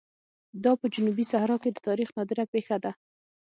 دا په جنوبي صحرا کې د تاریخ نادره پېښه ده.